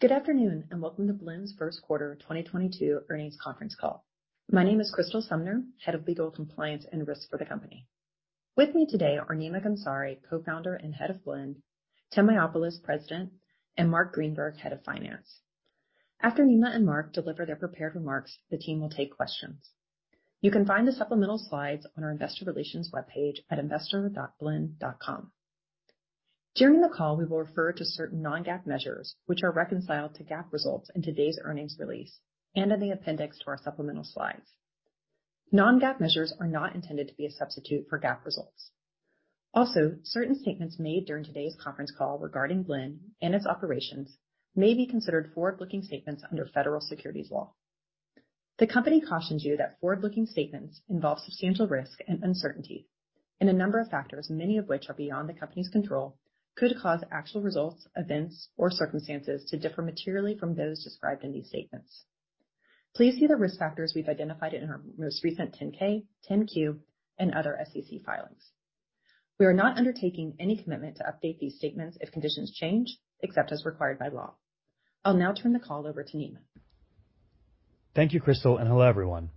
Good afternoon, and welcome to Blend's Q1 2022 earnings Conference Call. My name is Crystal Sumner, Head of Legal, Compliance, and Risk for the company. With me today are Nima Ghamsari, Co-Founder and Head of Blend, Tim Mayopoulos, President, and Marc Greenberg, Head of Finance. After Nima and Marc deliver their prepared remarks, the team will take questions. You can find the supplemental slides on our investor relations webpage at investor.blend.com. During the call, we will refer to certain non-GAAP measures, which are reconciled to GAAP results in today's earnings release and in the appendix to our supplemental slides. Non-GAAP measures are not intended to be a substitute for GAAP results. Also, certain statements made during today's Conference Call regarding Blend and its operations may be considered forward-looking statements under federal securities law. The company cautions you that forward-looking statements involve substantial risk and uncertainty and a number of factors, many of which are beyond the company's control, could cause actual results, events or circumstances to differ materially from those described in these statements. Please see the risk factors we've identified in our most recent 10-K, 10-Q and other SEC filings. We are not undertaking any commitment to update these statements if conditions change, except as required by law. I'll now turn the call over to Nima. Thank you, Crystal, and hello, everyone.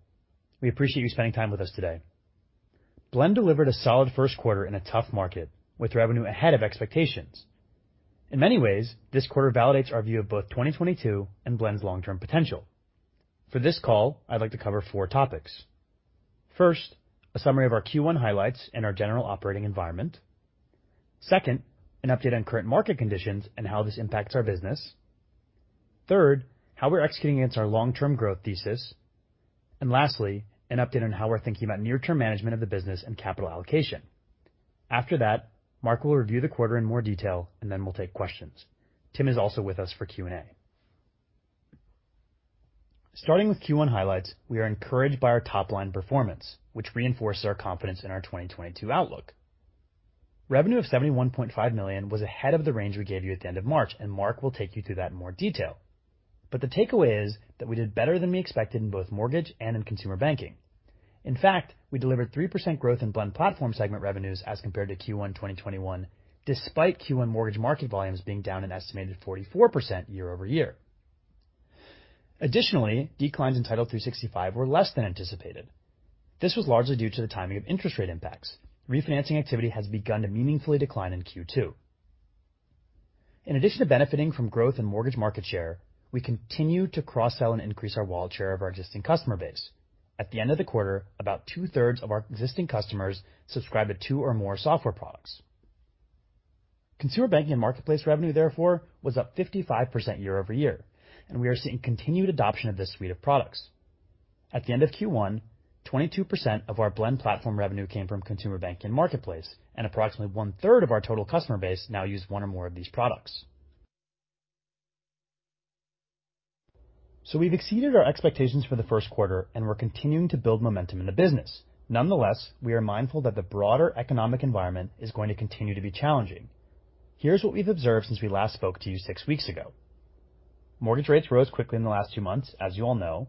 We appreciate you spending time with us today. Blend delivered a solid Q1 in a tough market, with revenue ahead of expectations. In many ways, this quarter validates our view of both 2022 and Blend's long-term potential. For this call, I'd like to cover four topics. First, a summary of our Q1 highlights and our general operating environment. Second, an update on current market conditions and how this impacts our business. Third, how we're executing against our long-term growth thesis. Lastly, an update on how we're thinking about near-term management of the business and capital allocation. After that, Mark will review the quarter in more detail, and then we'll take questions. Tim is also with us for Q&A. Starting with Q1 highlights, we are encouraged by our top-line performance, which reinforces our confidence in our 2022 outlook. Revenue of $71.5 million was ahead of the range we gave you at the end of March, and Marc will take you through that in more detail. The takeaway is that we did better than we expected in both mortgage and in consumer banking. In fact, we delivered 3% growth in Blend Platform segment revenues as compared to Q1 2021, despite Q1 mortgage market volumes being down an estimated 44% year-over-year. Additionally, declines in Title365 were less than anticipated. This was largely due to the timing of interest rate impacts. Refinancing activity has begun to meaningfully decline in Q2. In addition to benefiting from growth in mortgage market share, we continue to cross-sell and increase our wallet share of our existing customer base. At the end of the quarter, about 2/3 of our existing customers subscribe to two or more software products. Consumer Banking and Marketplace revenue, therefore, was up 55% year-over-year, and we are seeing continued adoption of this suite of products. At the end of Q1, 22% of our Blend Platform revenue came from Consumer Banking and Marketplace, and approximately 1/3 of our total customer base now use one or more of these products. We've exceeded our expectations for the Q1, and we're continuing to build momentum in the business. Nonetheless, we are mindful that the broader economic environment is going to continue to be challenging. Here's what we've observed since we last spoke to you six weeks ago. Mortgage rates rose quickly in the last two months, as you all know.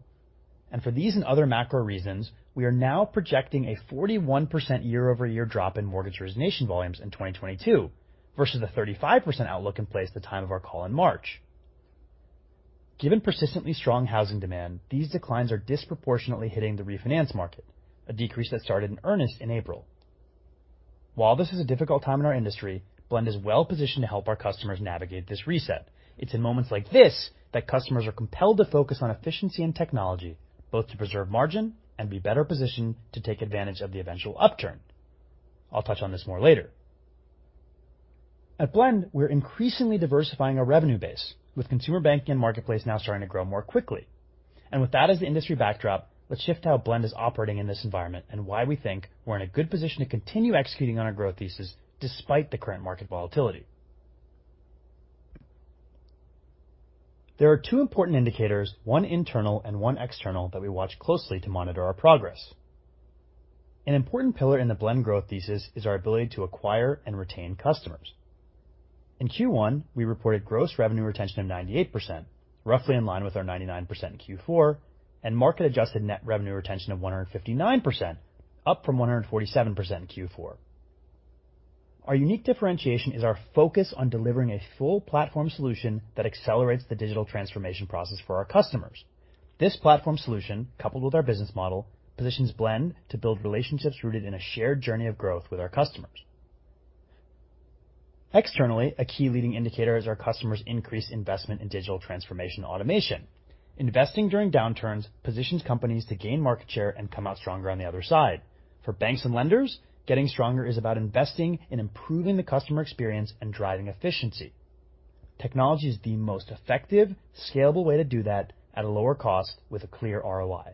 For these and other macro reasons, we are now projecting a 41% year-over-year drop in mortgage origination volumes in 2022 versus the 35% outlook in place at the time of our call in March. Given persistently strong housing demand, these declines are disproportionately hitting the refinance market, a decrease that started in earnest in April. While this is a difficult time in our industry, Blend is well-positioned to help our customers navigate this reset. It's in moments like this that customers are compelled to focus on efficiency and technology, both to preserve margin and be better positioned to take advantage of the eventual upturn. I'll touch on this more later. At Blend, we're increasingly diversifying our revenue base, with Consumer Banking and Marketplace now starting to grow more quickly. With that as the industry backdrop, let's shift to how Blend is operating in this environment and why we think we're in a good position to continue executing on our growth thesis despite the current market volatility. There are two important indicators, one internal and one external, that we watch closely to monitor our progress. An important pillar in the Blend growth thesis is our ability to acquire and retain customers. In Q1, we reported gross revenue retention of 98%, roughly in line with our 99% in Q4, and market-adjusted net revenue retention of 159%, up from 147% in Q4. Our unique differentiation is our focus on delivering a full platform solution that accelerates the digital transformation process for our customers. This platform solution, coupled with our business model, positions Blend to build relationships rooted in a shared journey of growth with our customers. Externally, a key leading indicator is our customers' increased investment in digital transformation automation. Investing during downturns positions companies to gain market share and come out stronger on the other side. For banks and lenders, getting stronger is about investing in improving the customer experience and driving efficiency. Technology is the most effective, scalable way to do that at a lower-cost with a clear ROI.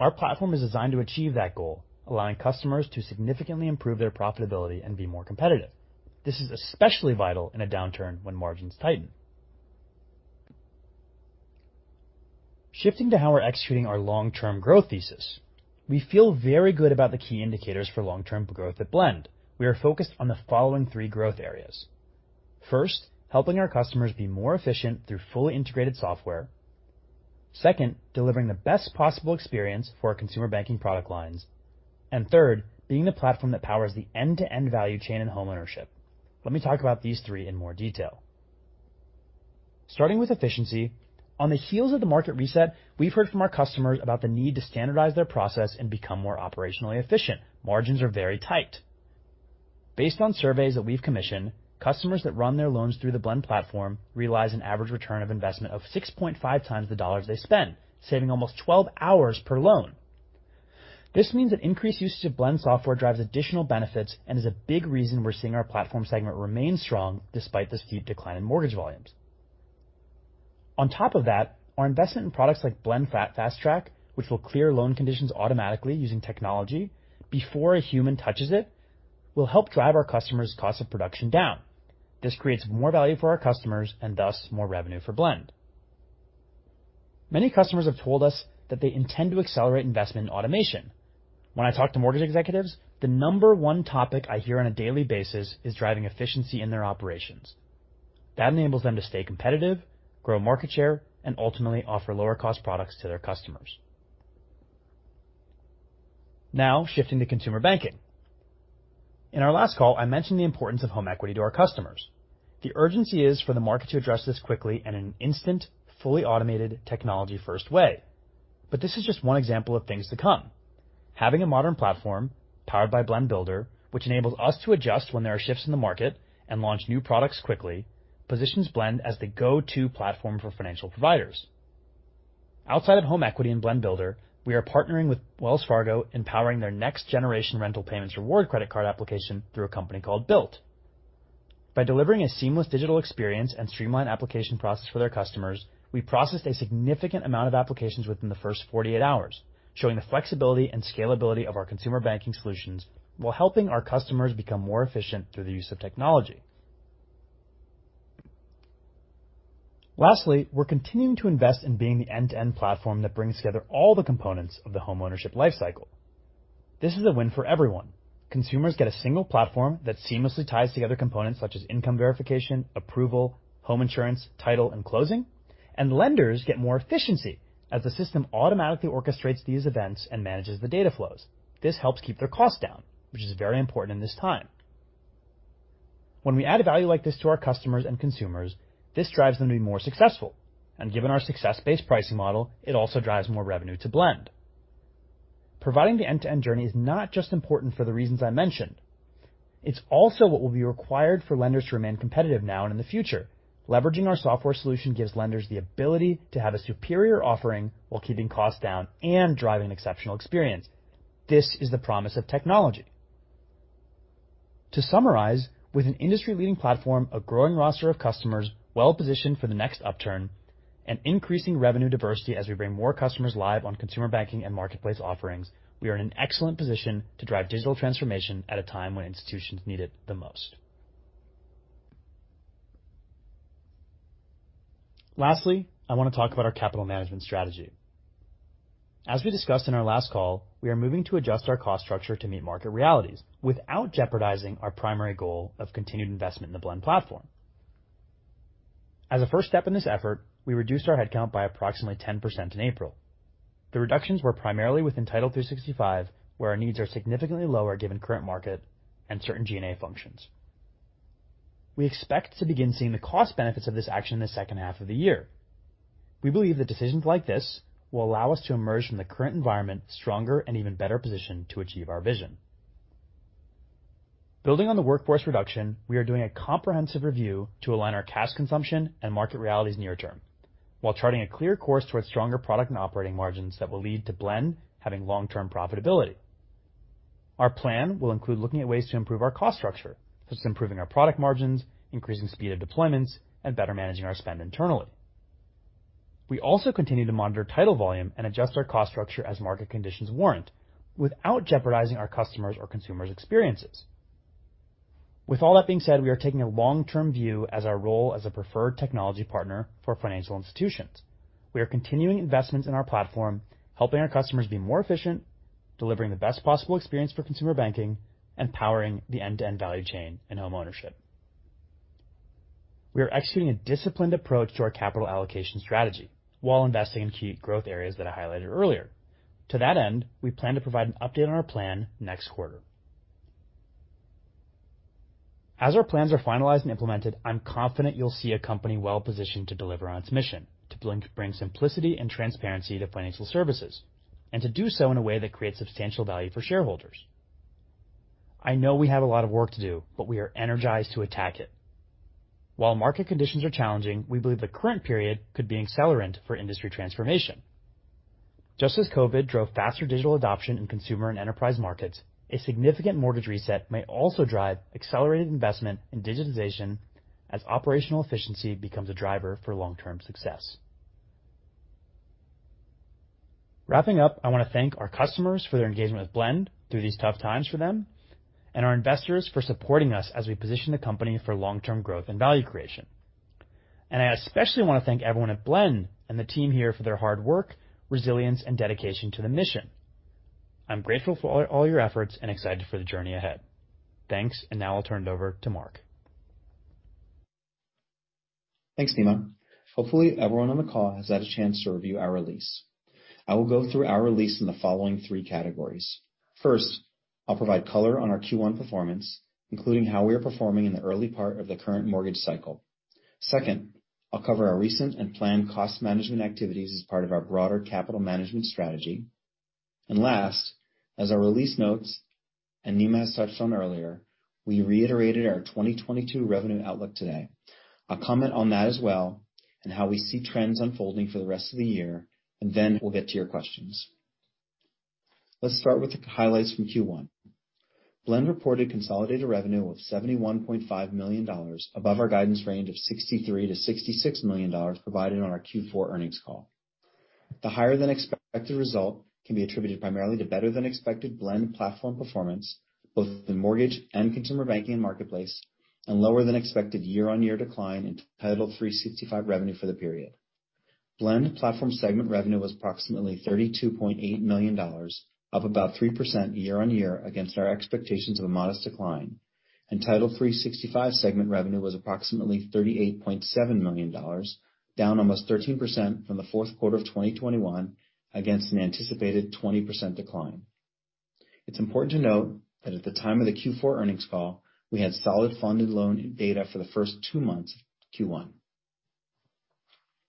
Our platform is designed to achieve that goal, allowing customers to significantly improve their profitability and be more competitive. This is especially vital in a downturn when margins tighten. Shifting to how we're executing our long-term growth thesis. We feel very good about the key indicators for long-term growth at Blend. We are focused on the following three growth areas. First, helping our customers be more efficient through fully integrated software. Second, delivering the best possible experience for our consumer banking product lines. Third, being the platform that powers the end-to-end value chain in homeownership. Let me talk about these three in more detail. Starting with efficiency, on the heels of the market reset, we've heard from our customers about the need to standardize their process and become more operationally efficient. Margins are very tight. Based on surveys that we've commissioned, customers that run their loans through the Blend Platform realize an average return of investment of 6.5 times the dollars they spend, saving almost 12 hours per loan. This means that increased usage of Blend software drives additional benefits and is a big reason we're seeing our Platform segment remain strong despite the steep decline in mortgage volumes. On top of that, our investment in products like Blend Fast Track, which will clear loan conditions automatically using technology before a human touches it, will help drive our customers' cost of production down. This creates more value for our customers and thus more revenue for Blend. Many customers have told us that they intend to accelerate investment in automation. When I talk to mortgage executives, the number one topic I hear on a daily basis is driving efficiency in their operations. That enables them to stay competitive, grow market share, and ultimately offer lower cost products to their customers. Now shifting to consumer banking. In our last call, I mentioned the importance of home equity to our customers. The urgency is for the market to address this quickly in an instant, fully automated, technology-first way. This is just one example of things to come. Having a modern platform powered by Blend Builder, which enables us to adjust when there are shifts in the market and launch new products quickly, positions Blend as the go-to platform for financial providers. Outside of home equity and Blend Builder, we are partnering with Wells Fargo in powering their next generation rental payments reward credit card application through a company called Bilt. By delivering a seamless digital experience and streamlined application process for their customers, we processed a significant amount of applications within the first 48 hours, showing the flexibility and scalability of our consumer banking solutions while helping our customers become more efficient through the use of technology. Lastly, we're continuing to invest in being the end-to-end platform that brings together all the components of the homeownership life cycle. This is a win for everyone. Consumers get a single platform that seamlessly ties together components such as income verification, approval, home insurance, title and closing. Lenders get more efficiency as the system automatically orchestrates these events and manages the data flows. This helps keep their costs down, which is very important in this time. When we add value like this to our customers and consumers, this drives them to be more successful. Given our success-based pricing model, it also drives more revenue to Blend. Providing the end-to-end journey is not just important for the reasons I mentioned, it's also what will be required for lenders to remain competitive now and in the future. Leveraging our software solution gives lenders the ability to have a superior offering while keeping costs down and driving exceptional experience. This is the promise of technology. To summarize, with an industry-leading platform, a growing roster of customers well-positioned for the next upturn, and increasing revenue diversity as we bring more customers live on Consumer Banking and Marketplace offerings, we are in an excellent position to drive digital transformation at a time when institutions need it the most. Lastly, I want to talk about our capital management strategy. As we discussed in our last call, we are moving to adjust our cost structure to meet market realities without jeopardizing our primary goal of continued investment in the Blend Platform. As a first step in this effort, we reduced our headcount by approximately 10% in April. The reductions were primarily within Title365, where our needs are significantly lower given current market and certain G&A functions. We expect to begin seeing the cost benefits of this action in the second half of the year. We believe that decisions like this will allow us to emerge from the current environment stronger and even better positioned to achieve our vision. Building on the workforce reduction, we are doing a comprehensive review to align our cash consumption and market realities near term, while charting a clear course towards stronger product and operating margins that will lead to Blend having long-term profitability. Our plan will include looking at ways to improve our cost structure, such as improving our product margins, increasing speed of deployments, and better managing our spend internally. We also continue to monitor title volume and adjust our cost structure as market conditions warrant without jeopardizing our customers' or consumers' experiences. With all that being said, we are taking a long-term view as our role as a preferred technology partner for financial institutions. We are continuing investments in our platform, helping our customers be more efficient, delivering the best possible experience for consumer banking, and powering the end-to-end value chain in homeownership. We are executing a disciplined approach to our capital allocation strategy while investing in key growth areas that I highlighted earlier. To that end, we plan to provide an update on our plan next quarter. As our plans are finalized and implemented, I'm confident you'll see a company well-positioned to deliver on its mission to bring simplicity and transparency to financial services, and to do so in a way that creates substantial value for shareholders. I know we have a lot of work to do, but we are energized to attack it. While market conditions are challenging, we believe the current period could be an accelerant for industry transformation. Just as COVID drove faster digital adoption in consumer and enterprise markets, a significant mortgage reset may also drive accelerated investment in digitization as operational efficiency becomes a driver for long-term success. Wrapping up, I want to thank our customers for their engagement with Blend through these tough times for them and our investors for supporting us as we position the company for long-term growth and value creation. I especially want to thank everyone at Blend and the team here for their hard work, resilience, and dedication to the mission. I'm grateful for all your efforts and excited for the journey ahead. Thanks. Now I'll turn it over to Marc. Thanks, Nima. Hopefully everyone on the call has had a chance to review our release. I will go through our release in the following three categories. First, I'll provide color on our Q1 performance, including how we are performing in the early part of the current mortgage cycle. Second, I'll cover our recent and planned cost management activities as part of our broader capital management strategy. Last, as our release notes, and Nima has touched on earlier, we reiterated our 2022 revenue outlook today. I'll comment on that as well and how we see trends unfolding for the rest of the year, and then we'll get to your questions. Let's start with the highlights from Q1. Blend reported consolidated revenue of $71.5 million above our guidance range of $63 million-$66 million provided on our Q4 earnings call. The higher than expected result can be attributed primarily to better than expected Blend Platform performance, both the mortgage and Consumer Banking and Marketplace, and lower than expected year-on-year decline in Title365 revenue for the period. Blend Platform segment revenue was approximately $32.8 million, up about 3% year-on-year against our expectations of a modest decline. Title365 segment revenue was approximately $38.7 million, down almost 13% from the Q4 2021 against an anticipated 20% decline. It's important to note that at the time of the Q4 earnings call, we had solid funded loan data for the first two months of Q1.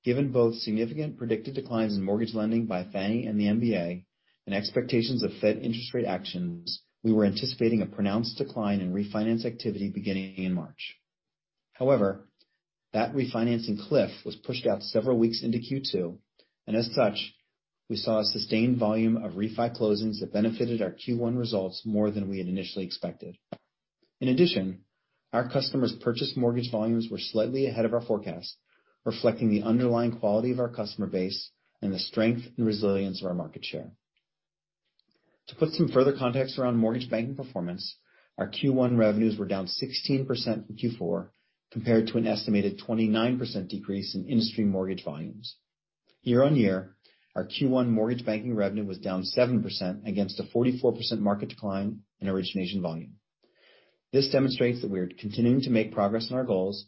Given both significant predicted declines in mortgage lending by Fannie Mae and the MBA and expectations of Fed interest rate actions, we were anticipating a pronounced decline in refinance activity beginning in March. However, that refinancing cliff was pushed out several weeks into Q2, and as such, we saw a sustained volume of refi closings that benefited our Q1 results more than we had initially expected. In addition, our customers' purchase mortgage volumes were slightly ahead of our forecast, reflecting the underlying quality of our customer base and the strength and resilience of our market share. To put some further context around mortgage banking performance, our Q1 revenues were down 16% from Q4 compared to an estimated 29% decrease in industry mortgage volumes. Year-on-year, our Q1 mortgage banking revenue was down 7% against a 44% market decline in origination volume. This demonstrates that we are continuing to make progress on our goals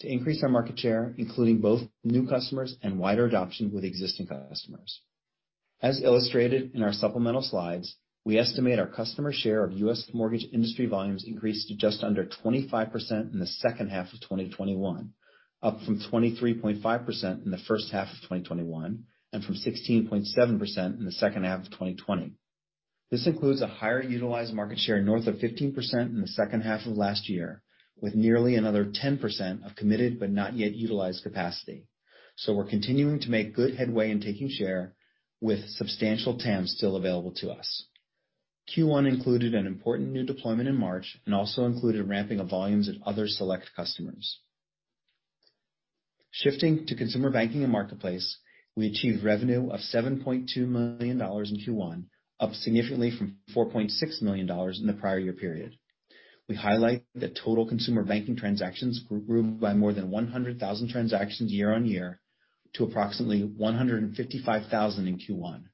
to increase our market share, including both new customers and wider adoption with existing customers. As illustrated in our supplemental slides, we estimate our customer share of U.S. mortgage industry volumes increased to just under 25% in the second half of 2021, up from 23.5% in the first half of 2021, and from 16.7% in the second half of 2020. This includes a higher-utilized market share north of 15% in the second half of last year, with nearly another 10% of committed but not yet utilized capacity. We're continuing to make good headway in taking share with substantial TAM still available to us. Q1 included an important new deployment in March and also included ramping of volumes at other select customers. Shifting to Consumer Banking and Marketplace, we achieved revenue of $7.2 million in Q1, up significantly from $4.6 million in the prior year period. We highlight that total consumer banking transactions grew by more than 100,000 transactions year-on-year to approximately 155,000 in Q1.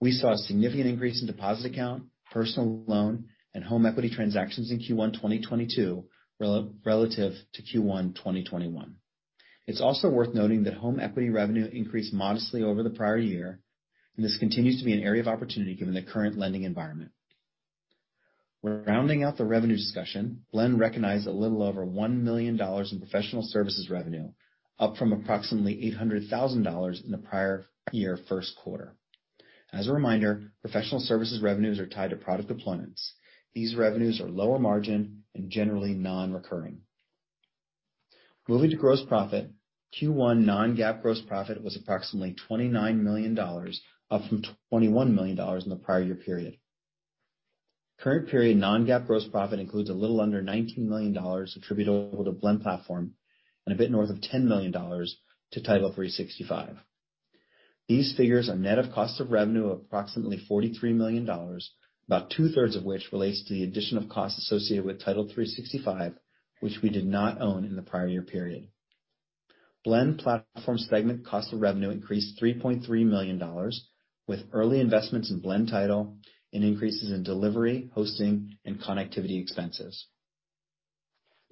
We saw a significant increase in deposit account, personal loan, and home equity transactions in Q1 2022 relative to Q1 2021. It's also worth noting that home equity revenue increased modestly over the prior year, and this continues to be an area of opportunity given the current lending environment. We're rounding out the revenue discussion. Blend recognized a little over $1 million in professional services revenue, up from approximately $800,000 in the prior year Q1. As a reminder, professional services revenues are tied to product deployments. These revenues are lower-margin and generally non-recurring. Moving to gross profit, Q1 non-GAAP gross profit was approximately $29 million, up from $21 million in the prior year period. Current period non-GAAP gross profit includes a little under $19 million attributable to Blend Platform and a bit north of $10 million to Title365. These figures are net of cost of revenue of approximately $43 million, about two-thirds of which relates to the addition of costs associated with Title365, which we did not own in the prior year period. Blend Platform segment cost of revenue increased $3.3 million, with early investments in Blend Title and increases in delivery, hosting and connectivity expenses.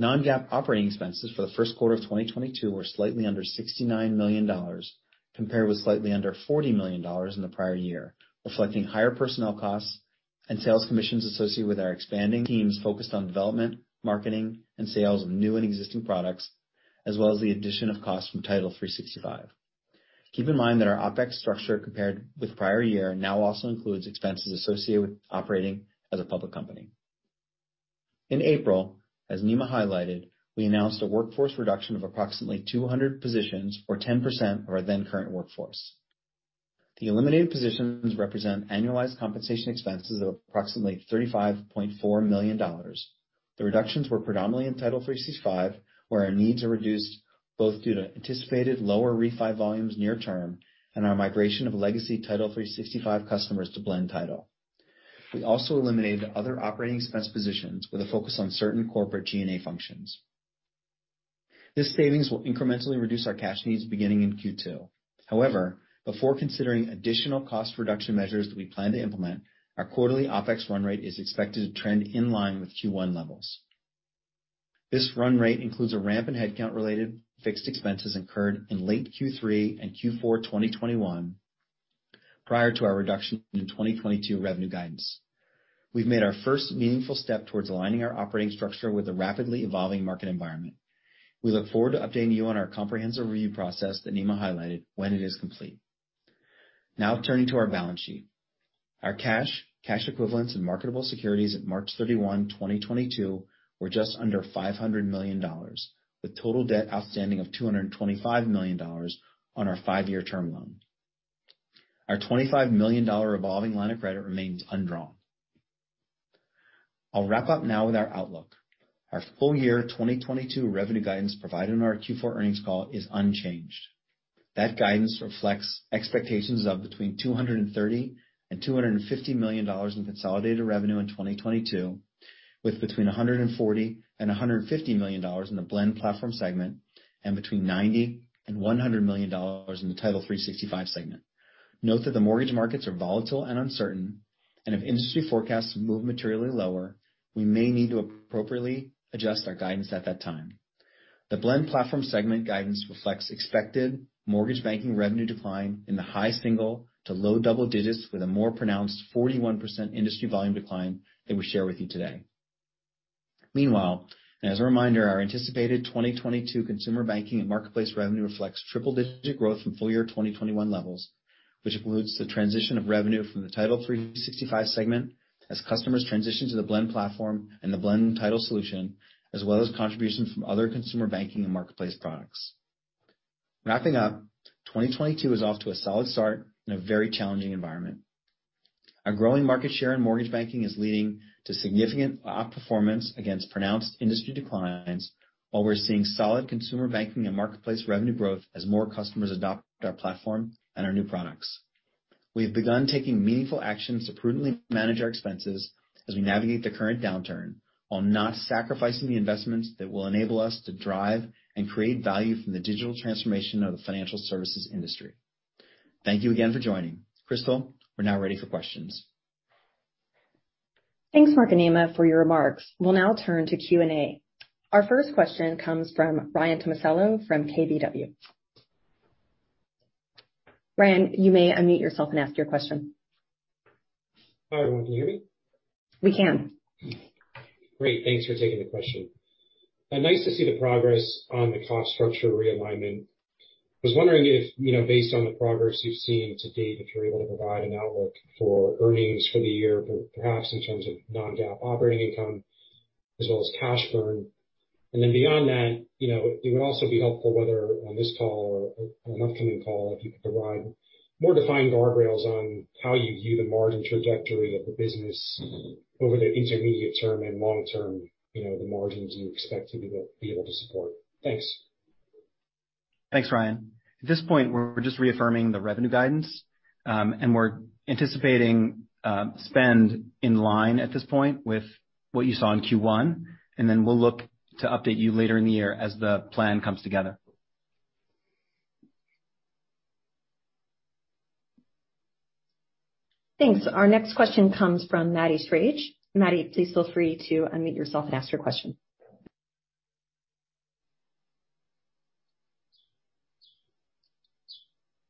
Non-GAAP operating expenses for the Q1 2022 were slightly under $69 million, compared with slightly under $40 million in the prior year, reflecting higher personnel costs and sales commissions associated with our expanding teams focused on development, marketing, and sales of new and existing products, as well as the addition of costs from Title365. Keep in mind that our OpEx structure compared with prior year now also includes expenses associated with operating as a public company. In April, as Nima highlighted, we announced a workforce reduction of approximately 200 positions or 10% of our then current workforce. The eliminated positions represent annualized compensation expenses of approximately $35.4 million. The reductions were predominantly in Title365, where our needs are reduced both due to anticipated lower-refi volumes near term and our migration of legacy Title365 customers to Blend Title. We also eliminated other operating expense positions with a focus on certain corporate G&A functions. This savings will incrementally reduce our cash needs beginning in Q2. However, before considering additional cost reduction measures that we plan to implement, our quarterly OpEx run rate is expected to trend in line with Q1 levels. This run rate includes a ramp in headcount-related fixed expenses incurred in late Q3 and Q4 2021 prior to our reduction in 2022 revenue guidance. We've made our first meaningful step towards aligning our operating structure with the rapidly evolving market environment. We look forward to updating you on our comprehensive review process that Nima highlighted when it is complete. Now turning to our balance sheet. Our cash equivalents and marketable securities at March 31, 2022 were just under $500 million, with total debt outstanding of $225 million on our 5-year term loan. Our $25 million revolving line of credit remains undrawn. I'll wrap up now with our outlook. Our full-year 2022 revenue guidance provided on our Q4 earnings call is unchanged. That guidance reflects expectations of between $230 million and $250 million in consolidated revenue in 2022, with between $140 million and $150 million in the Blend Platform segment and between $90 million and $100 million in the Title365 segment. Note that the mortgage markets are volatile and uncertain, and if industry forecasts move materially lower, we may need to appropriately adjust our guidance at that time. The Blend Platform segment guidance reflects expected mortgage banking revenue decline in the high single-to-low-double-digit % with a more pronounced 41% industry volume decline that we share with you today. Meanwhile, as a reminder, our anticipated 2022 Consumer Banking and Marketplace revenue reflects triple-digit growth from full-year 2021 levels, which includes the transition of revenue from the Title365 segment as customers transition to the Blend Platform and the Blend Title solution, as well as contributions from other Consumer Banking and Marketplace products. Wrapping up, 2022 is off to a solid start in a very challenging environment. Our growing market share in mortgage banking is leading to significant outperformance against pronounced industry declines, while we're seeing solid Consumer Banking and Marketplace revenue growth as more customers adopt our platform and our new products. We have begun taking meaningful actions to prudently manage our expenses as we navigate the current downturn while not sacrificing the investments that will enable us to drive and create value from the digital transformation of the financial services industry. Thank you again for joining. Crystal, we're now ready for questions. Thanks, Mark and Nima, for your remarks. We'll now turn to Q&A. Our first question comes from Ryan Tomasello from KBW. Ryan, you may unmute yourself and ask your question. Hi, everyone. Can you hear me? We can. Great. Thanks for taking the question. Nice to see the progress on the cost structure realignment. I was wondering if, you know, based on the progress you've seen to date, if you're able to provide an outlook for earnings for the year, perhaps in terms of non-GAAP operating income as well as cash burn. Then beyond that, you know, it would also be helpful whether on this call or an upcoming call, if you could provide more defined guardrails on how you view the margin trajectory of the business. Mm-hmm. Over the intermediate term and long-term, you know, the margins you expect to be able to support. Thanks. Thanks, Ryan. At this point, we're just reaffirming the revenue guidance, and we're anticipating spend in line at this point with what you saw in Q1, and then we'll look to update you later in the year as the plan comes together. Thanks. Our next question comes from Maddie Schrage. Maddie, please feel free to unmute yourself and ask your question.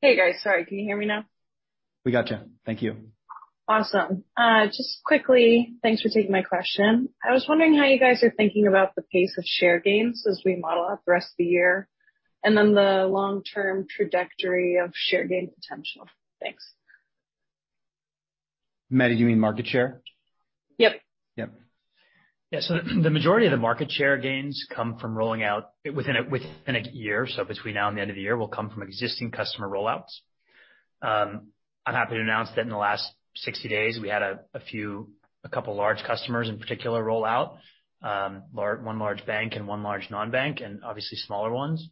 Hey, guys. Sorry. Can you hear me now? We got you. Thank you. Awesome. Just quickly, thanks for taking my question. I was wondering how you guys are thinking about the pace of share gains as we model out the rest of the year, and then the long-term trajectory of share gain potential. Thanks. Maddie, do you mean market share? Yep. Yep. Yeah. The majority of the market share gains come from rolling out within a year, so between now and the end of the year, will come from existing customer rollouts. I'm happy to announce that in the last 60 days, we had a few, a couple large customers in particular roll out one large bank and one large non-bank, and obviously smaller ones.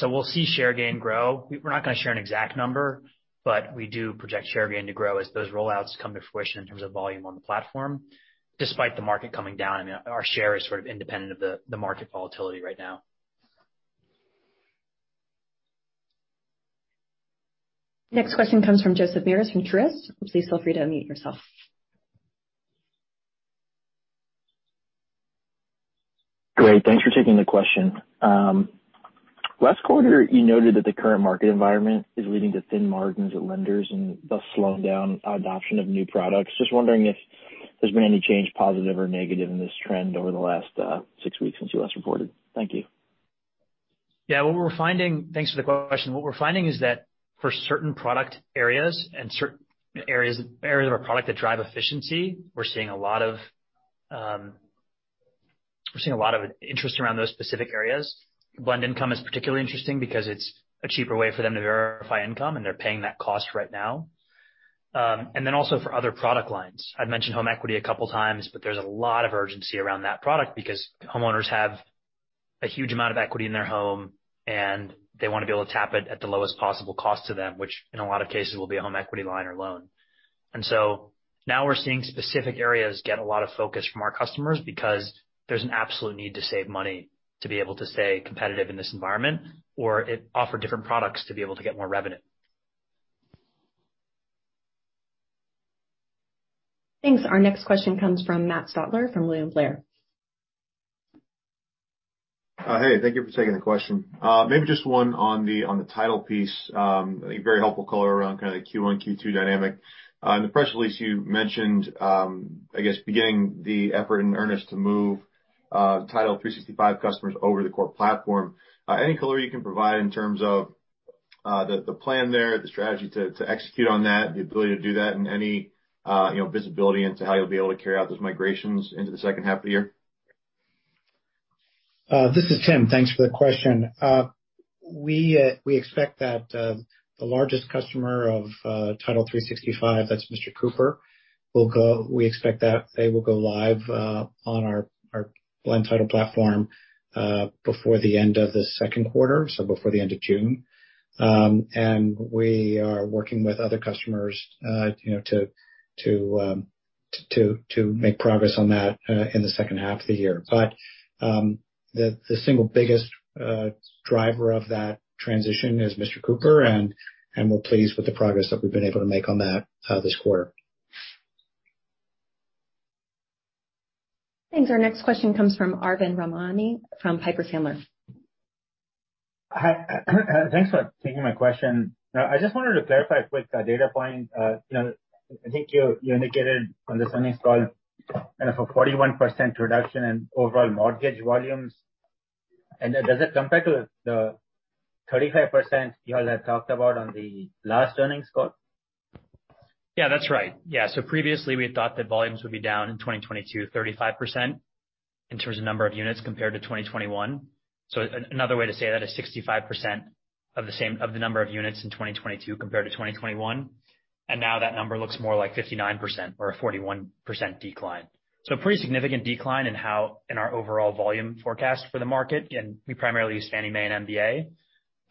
We'll see share gain grow. We're not gonna share an exact number, but we do project share gain to grow as those rollouts come to fruition in terms of volume on the platform, despite the market coming down. I mean, our share is sort of independent of the market volatility right now. Next question comes from Joseph Vafi from Truist. Please feel free to unmute yourself. Great. Thanks for taking the question. Last quarter, you noted that the current market environment is leading to thin margins at lenders and thus slowing down adoption of new products. Just wondering if there's been any change, positive or negative, in this trend over the last six weeks since you last reported. Thank you. Yeah. What we're finding. Thanks for the question. What we're finding is that for certain product areas of our product that drive efficiency, we're seeing a lot of interest around those specific areas. Blend Income is particularly interesting because it's a cheaper way for them to verify income, and they're paying that cost right now. Then also for other product lines. I've mentioned home equity a couple times, but there's a lot of urgency around that product because homeowners have a huge amount of equity in their home, and they want to be able to tap it at the lowest possible cost to them, which in a lot of cases will be a home equity line or loan. Now we're seeing specific areas get a lot of focus from our customers because there's an absolute need to save money to be able to stay competitive in this environment or offer different products to be able to get more revenue. Thanks. Our next question comes from Matt Stotler from William Blair. Hey, thank you for taking the question. Maybe just one on the title piece. A very helpful color around kind of the Q1, Q2 dynamic. In the press release you mentioned, I guess beginning the effort in earnest to move Title365 customers over to the core platform. Any color you can provide in terms of the plan there, the strategy to execute on that, the ability to do that and any, you know, visibility into how you'll be able to carry out those migrations into the second half of the year? This is Tim. Thanks for the question. We expect that the largest customer of Title365, that's Mr. Cooper, will go live on our Blend Title platform before the end of the Q2, so before the end of June. We are working with other customers, you know, to make progress on that in the second half of the year. The single-biggest driver of that transition is Mr. Cooper, and we're pleased with the progress that we've been able to make on that this quarter. Thanks. Our next question comes from Arvind Ramnani, from Piper Sandler. Hi. Thanks for taking my question. Now I just wanted to clarify a quick data point. You know, I think you indicated on this earnings call kind of a 41% reduction in overall mortgage volumes. Does it compare to the 35% you all had talked about on the last earnings call? Yeah, that's right. Yeah. Previously we had thought that volumes would be down in 2022, 35% in terms of number of units compared to 2021. Another way to say that is 65% of the same, of the number of units in 2022 compared to 2021, and now that number looks more like 59% or a 41% decline. Pretty significant decline in our overall volume forecast for the market. We primarily use Fannie Mae and MBA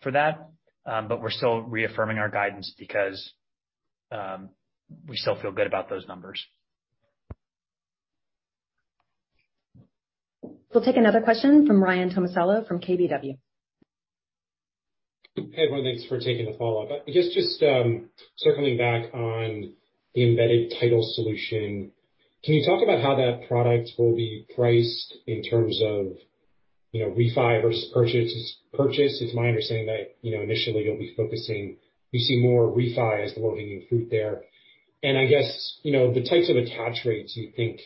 for that. But we're still reaffirming our guidance because, we still feel good about those numbers. We'll take another question from Ryan Tomasello from KBW. Hey, everyone. Thanks for taking the follow-up. I guess just circling back on the embedded title solution, can you talk about how that product will be priced in terms of, you know, refi versus purchases? It's my understanding that, you know, initially you see more refi as the low-hanging fruit there. I guess, you know, the types of attach rates you think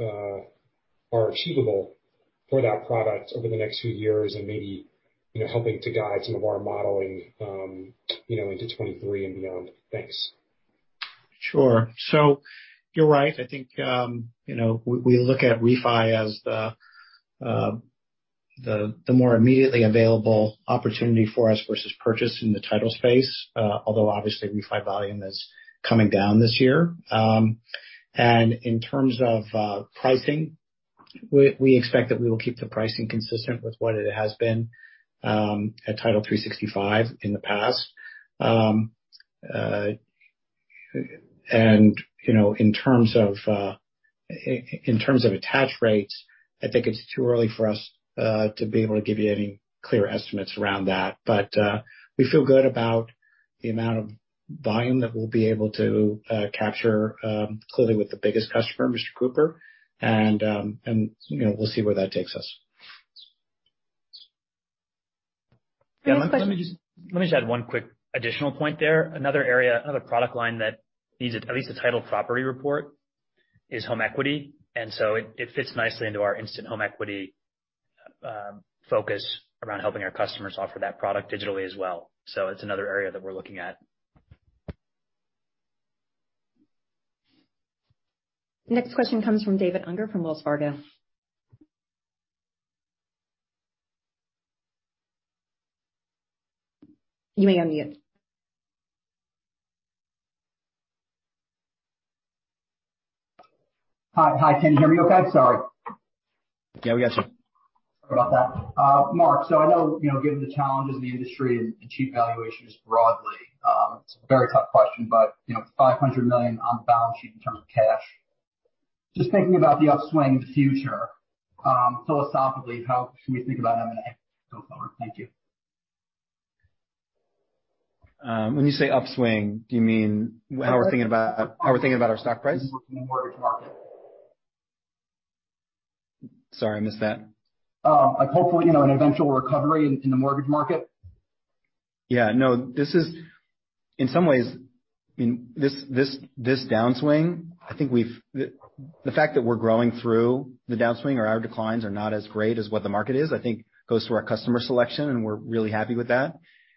are achievable for that product over the next few years and maybe, you know, helping to guide some of our modeling, you know, into 2023 and beyond. Thanks. Sure. You're right. I think, you know, we look at refi as the more immediately available opportunity for us versus purchase in the title space, although obviously refi volume is coming down this year. In terms of pricing, we expect that we will keep the pricing consistent with what it has been at Title365 in the past. You know, in terms of attach rates, I think it's too early for us to be able to give you any clear estimates around that. We feel good about the amount of volume that we'll be able to capture clearly with the biggest customer, Mr. Cooper. You know, we'll see where that takes us. We have a question. Yeah. Let me just add one quick additional point there. Another area, another product line that needs at least a title property report is home equity, and so it fits nicely into our instant home equity focus around helping our customers offer that product digitally as well. It's another area that we're looking at. Next question comes from David Unger from Wells Fargo. You may unmute. Hi. Hi. Can you hear me okay? Sorry. Yeah, we got you. Sorry about that. Marc, I know, you know, given the challenges in the industry and cheap valuations broadly, it's a very tough question, but, you know, $500 million on the balance sheet in terms of cash, just thinking about the upswing future, philosophically, how should we think about M&A going forward? Thank you. When you say upswing, do you mean how we're thinking about our stock price? In the mortgage market. Sorry, I missed that. Like, hopefully, you know, an eventual recovery in the mortgage market. Yeah. No, this is in some ways, I mean, this downswing, I think the fact that we're growing through the downswing or our declines are not as great as what the market is, I think goes to our customer selection, and we're really happy with that.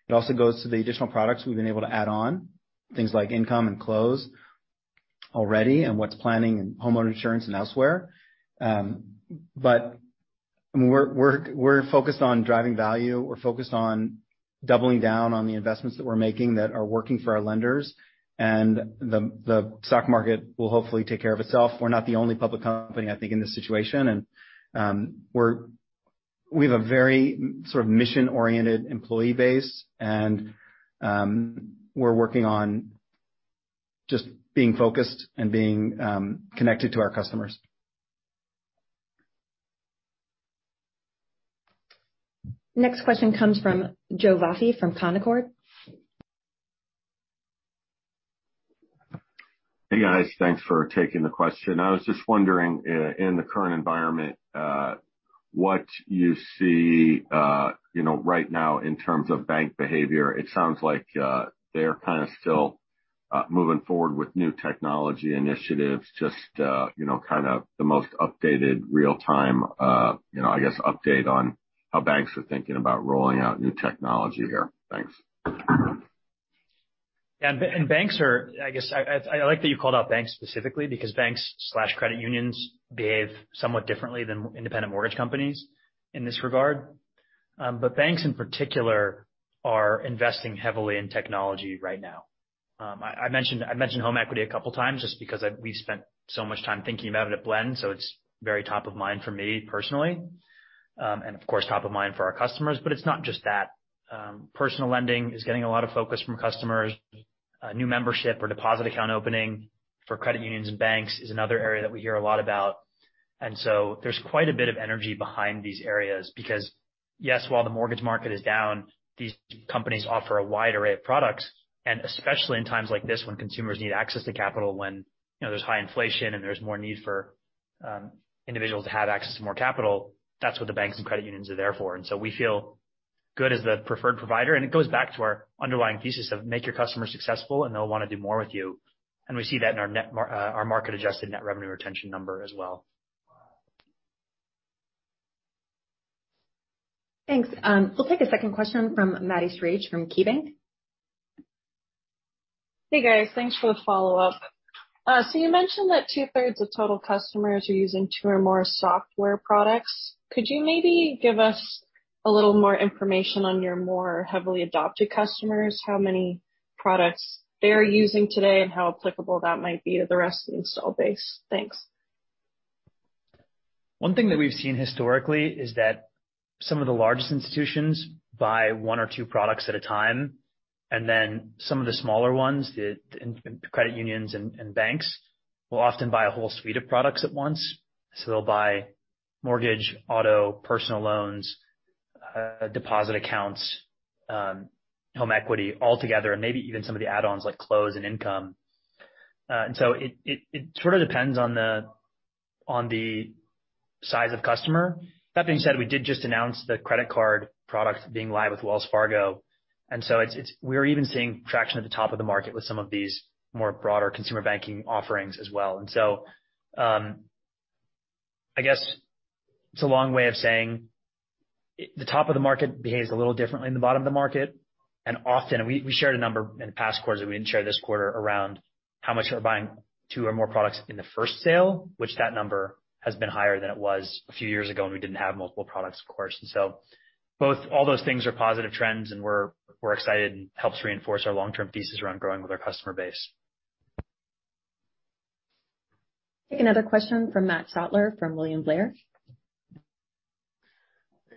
It also goes to the additional products we've been able to add on, things like income and close already and wealth planning and homeowner insurance and elsewhere. But we're focused on driving value. We're focused on doubling down on the investments that we're making that are working for our lenders. The stock market will hopefully take care of itself. We're not the only public company, I think, in this situation. We have a very sort of mission-oriented employee base. We're working on just being focused and being connected to our customers. Next question comes from Joe Vafi from Canaccord. Hey guys. Thanks for taking the question. I was just wondering, in the current environment, what you see, you know, right now in terms of bank behavior. It sounds like, they're kinda still moving forward with new technology initiatives just, you know, kind of the most updated real-time, you know, I guess, update on how banks are thinking about rolling out new technology here. Thanks. Yeah. I guess I like that you called out banks specifically because banks and credit unions behave somewhat differently than independent mortgage companies in this regard. Banks in particular are investing heavily in technology right now. I mentioned home equity a couple of times just because we spent so much time thinking about it at Blend, so it's very top of mind for me personally, and of course, top of mind for our customers, but it's not just that. Personal lending is getting a lot of focus from customers. New membership or deposit account opening for credit unions and banks is another area that we hear a lot about. There's quite a bit of energy behind these areas because, yes, while the mortgage market is down, these companies offer a wide array of products, and especially in times like this when consumers need access to capital when, you know, there's high inflation and there's more need for individuals to have access to more capital, that's what the banks and credit unions are there for. We feel good as the preferred provider, and it goes back to our underlying thesis of make your customer successful and they'll wanna do more with you. We see that in our market-adjusted net revenue retention number as well. Thanks. We'll take a second question from Maddie Schrage from KeyBanc Capital Markets. Hey, guys. Thanks for the follow-up. You mentioned that two-thirds of total customers are using two or more software products. Could you maybe give us a little more information on your more heavily adopted customers, how many products they're using today and how applicable that might be to the rest of the install base? Thanks. One thing that we've seen historically is that some of the largest institutions buy one or two products at a time, and then some of the smaller ones, the credit unions and banks will often buy a whole suite of products at once. They'll buy mortgage, auto, personal loans, deposit accounts, home equity altogether, and maybe even some of the add-ons like close and income. It sort of depends on the size of customer. That being said, we did just announce the credit card product being live with Wells Fargo. We're even seeing traction at the top of the market with some of these more broader consumer banking offerings as well. I guess it's a long way of saying the top of the market behaves a little differently than the bottom of the market. We often shared a number in the past quarters that we didn't share this quarter around how much they're buying two or more products in the first sale, which that number has been higher than it was a few years ago when we didn't have multiple products, of course. Both all those things are positive trends, and we're excited and helps reinforce our long-term thesis around growing with our customer base. Take another question from Matt Stotler from William Blair.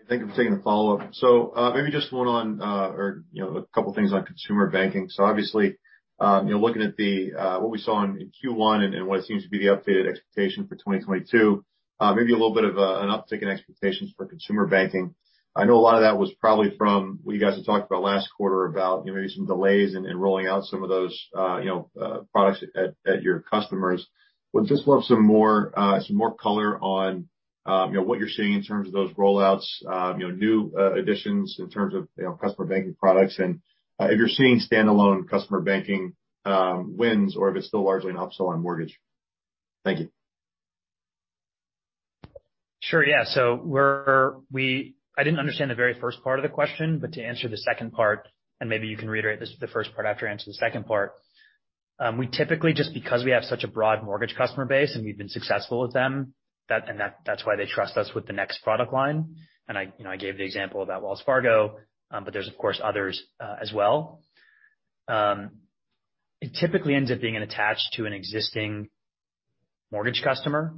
Thank you for taking the follow-up. Maybe just one on, or you know, a couple of things on consumer banking. Obviously, you know, looking at the, what we saw in Q1 and what seems to be the updated expectation for 2022, maybe a little bit of an uptick in expectations for consumer banking. I know a lot of that was probably from what you guys had talked about last quarter about, you know, maybe some delays in rolling out some of those, you know, products at your customers. Would just love some more color on, you know, what you're seeing in terms of those rollouts, you know, new additions in terms of, you know, customer banking products. If you're seeing standalone customer banking wins or if it's still largely an upsell on mortgage? Thank you. Sure, yeah. I didn't understand the very first part of the question, but to answer the second part, and maybe you can reiterate this, the first part after I answer the second part. We typically just because we have such a broad mortgage customer base and we've been successful with them, that's why they trust us with the next product line. I, you know, I gave the example about Wells Fargo, but there's, of course, others, as well. It typically ends up being an attach to an existing mortgage customer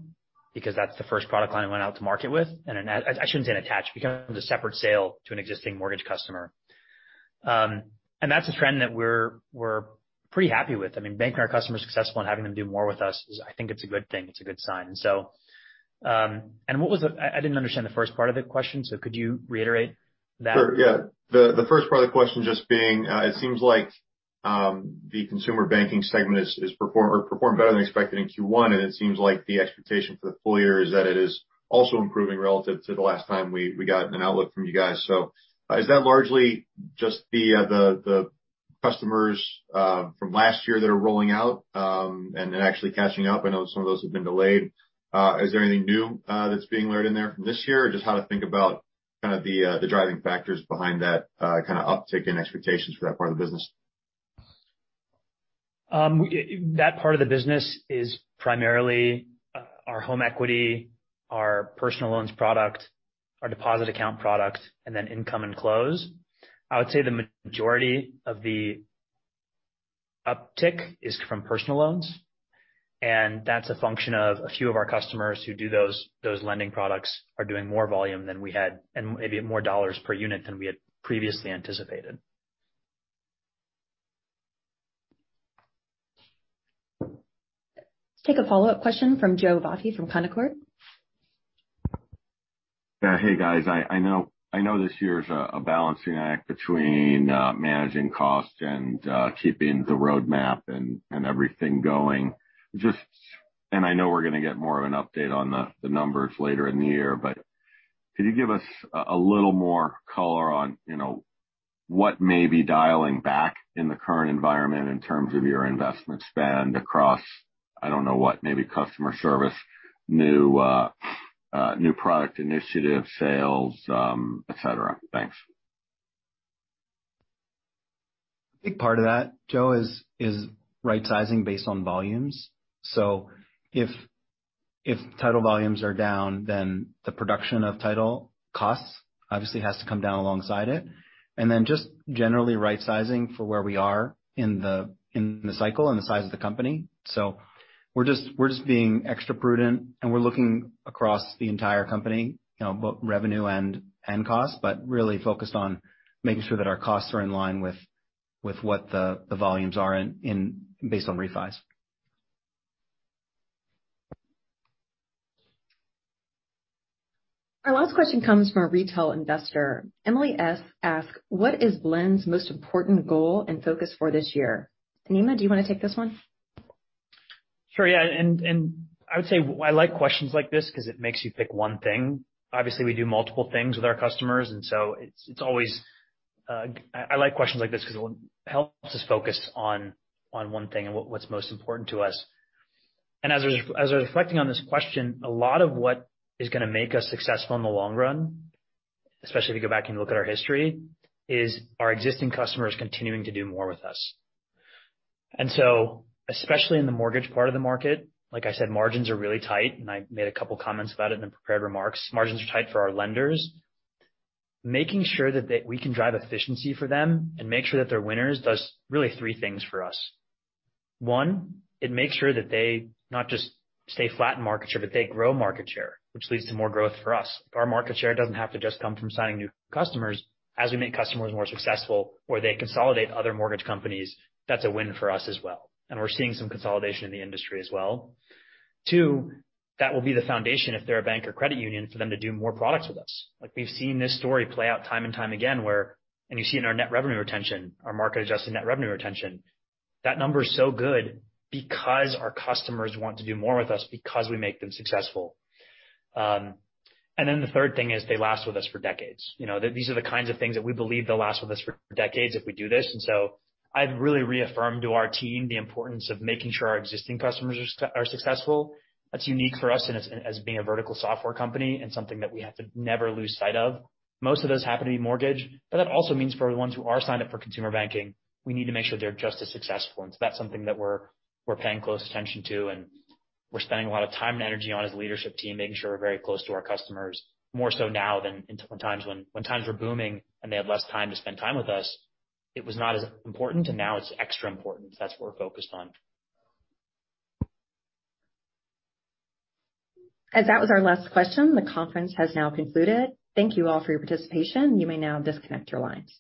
because that's the first product line we went out to market with. I shouldn't say an attach because it becomes a separate sale to an existing mortgage customer. That's a trend that we're pretty happy with. I mean, making our customers successful and having them do more with us is I think it's a good thing. It's a good sign. I didn't understand the first part of the question, so could you reiterate that? Sure, yeah. The first part of the question just being, it seems like the consumer banking segment performed better than expected in Q1, and it seems like the expectation for the full-year is that it is also improving relative to the last time we got an outlook from you guys. Is that largely just the customers from last year that are rolling out and then actually catching up? I know some of those have been delayed. Is there anything new that's being learned in there from this year, or just how to think about the driving factors behind that kinda uptick in expectations for that part of the business? That part of the business is primarily our home equity, our personal loans product, our deposit account product, and then income and close. I would say the majority of the uptick is from personal loans, and that's a function of a few of our customers who do those lending products are doing more volume than we had and maybe more dollars per unit than we had previously anticipated. Take a follow-up question from Joe Vafi from Canaccord. Yeah. Hey, guys. I know this year is a balancing act between managing costs and keeping the roadmap and everything going. I know we're gonna get more of an update on the numbers later in the year, but could you give us a little more color on, you know, what may be dialing back in the current environment in terms of your investment spend across, I don't know what, maybe customer service, new product initiatives, sales, et cetera? Thanks. A big part of that, Joe, is rightsizing based on volumes. If title volumes are down, then the production of title costs obviously has to come down alongside it. Just generally rightsizing for where we are in the cycle and the size of the company. We're just being extra prudent, and we're looking across the entire company, you know, both revenue and cost, but really focused on making sure that our costs are in line with what the volumes are in based on refis. Our last question comes from a retail investor. Emily S. asks, "What is Blend's most important goal and focus for this year?" Nima, do you wanna take this one? Sure, yeah. I would say I like questions like this 'cause it makes you pick one thing. Obviously, we do multiple things with our customers. I like questions like this 'cause it helps us focus on one thing and what's most important to us. As we're reflecting on this question, a lot of what is gonna make us successful in the long-run, especially if you go back and look at our history, is our existing customers continuing to do more with us. Especially in the mortgage part of the market, like I said, margins are really tight, and I made a couple comments about it in the prepared remarks. Margins are tight for our lenders. Making sure that we can drive efficiency for them and make sure that they're winners does really three things for us. One, it makes sure that they not just stay flat in market share, but they grow market share, which leads to more growth for us. Our market share doesn't have to just come from signing new customers. As we make customers more successful or they consolidate other mortgage companies, that's a win for us as well, and we're seeing some consolidation in the industry as well. Two, that will be the foundation if they're a bank or credit union for them to do more products with us. Like, we've seen this story play out time and time again where you see it in our net revenue retention, our market-adjusted net revenue retention. That number is so good because our customers want to do more with us because we make them successful. The third thing is they last with us for decades. You know, these are the kinds of things that we believe they'll last with us for decades if we do this. I've really reaffirmed to our team the importance of making sure our existing customers are successful. That's unique for us in as being a vertical software company and something that we have to never lose sight of. Most of those happen to be mortgage, but that also means for the ones who are signed up for consumer banking, we need to make sure they're just as successful. That's something that we're paying close attention to, and we're spending a lot of time and energy on as a leadership team, making sure we're very close to our customers, more so now than in times when times were booming, and they had less time to spend time with us, it was not as important. Now it's extra important. That's what we're focused on. As that was our last question, the conference has now concluded. Thank you all for your participation. You may now disconnect your lines.